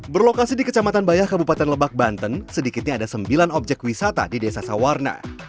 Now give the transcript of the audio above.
berlokasi di kecamatan bayah kabupaten lebak banten sedikitnya ada sembilan objek wisata di desa sawarna